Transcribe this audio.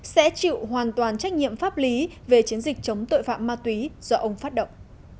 sẽ chịu hoàn toàn trách nhiệm pháp lý về chiến dịch chống tội phạm ma túy do ông phát động